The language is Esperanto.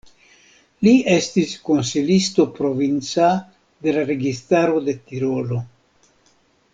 Li estis konsilisto provinca de la registaro de Tirolo.